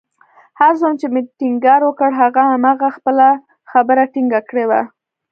هر څومره چې مې ټينګار وکړ، هغه همهغه خپله خبره ټینګه کړې وه